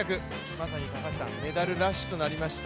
まさにメダルラッシュとなりました。